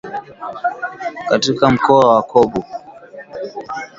Katika mkoa wa Kobu.